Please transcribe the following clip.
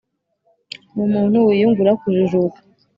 n’umuntu wiyungura kujijuka